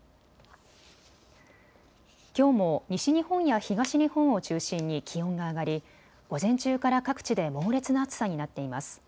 きょうも西日本や東日本を中心に気温が上がり、午前中から各地で猛烈な暑さになっています。